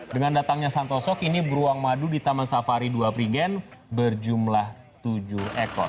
dengan datangnya santoso kini beruang madu di taman safari dua prigen berjumlah tujuh ekor